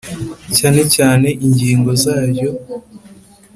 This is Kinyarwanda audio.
cyane cyane ingingo zaryo